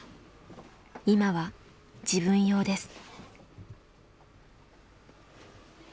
今は自分用です。